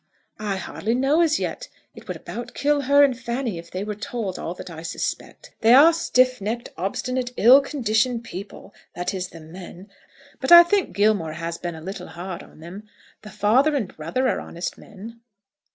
"I hardly know as yet. It would about kill her and Fanny, if they were told all that I suspect. They are stiff necked, obstinate, ill conditioned people that is, the men. But I think Gilmore has been a little hard on them. The father and brother are honest men.